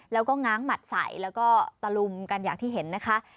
แล้วก็ง้างหมัดใส่แล้วก็ตะลุมกันอย่างที่เห็นนะคะ